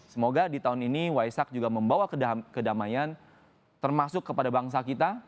semoga di tahun ini waisak juga membawa kedamaian termasuk kepada bangsa kita